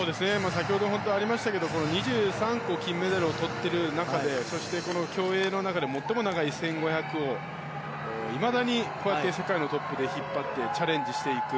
先ほどもありましたが２３個金メダルをとっているそして、競泳の中で最も長い１５００をいまだに世界のトップで引っ張ってチャレンジしていく。